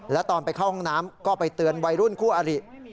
แล้วตอนไปเข้าห้องน้ำก็ไปเตือนวัยรุ่นคู่อริ